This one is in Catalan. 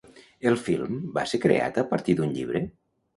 El film va ser creat a partir d'un llibre?